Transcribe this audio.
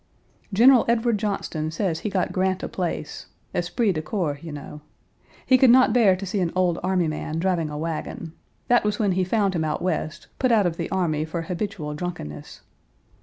General Edward Johnston says he got Grant a place esprit de corps, you know. He could not bear to see an old army man driving a wagon; that was when he found him out West, put out of the army for habitual drunkenness.